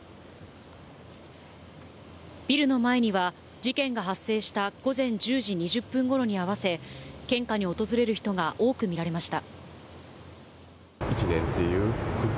ビルの前には事件が発生した午前１０時２０分頃に合わせ、献花に訪れる人が多く見られました。